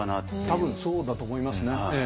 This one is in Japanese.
多分そうだと思いますね。